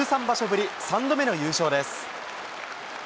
１３場所ぶり３度目の優勝です。